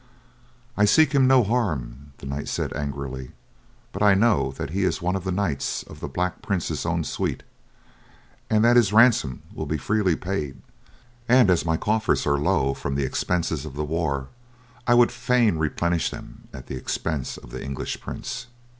"I seek him no harm," the knight said angrily; "but I know that he is one of the knights of the Black Prince's own suite, and that his ransom will be freely paid, and as my coffers are low from the expenses of the war, I would fain replenish them at the expense of the English prince."